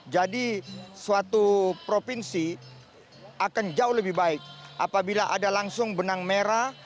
jadi suatu provinsi akan jauh lebih baik apabila ada langsung benang merah